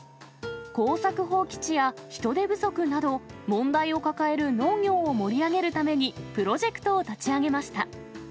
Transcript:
耕作放棄地や人手不足など、問題を抱える農業を盛り上げるために、プロジェクトを立ち上げました。